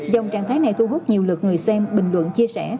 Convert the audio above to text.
dòng trạng thái này thu hút nhiều lượt người xem bình luận chia sẻ